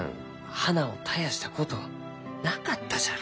花を絶やしたことなかったじゃろ？